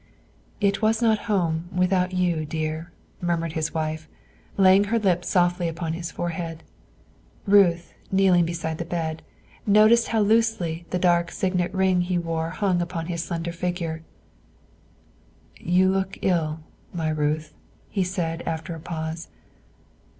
"It was not home without you, dear," murmured his wife, laying her lips softly upon his forehead. Ruth, kneeling beside the bed, noticed how loosely the dark signet ring he wore hung upon his slender finger. "You look ill, my Ruth," he said, after a pause.